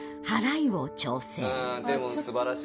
でもすばらしい。